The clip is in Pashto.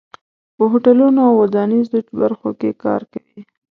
په هوټلونو او ودانیزو برخو کې کار کوي.